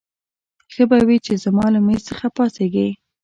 ښه به وي چې زما له مېز څخه پاڅېږې.